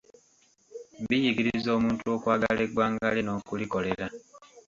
Biyigiriza omuntu okwagala eggwanga lye n'okulikolera.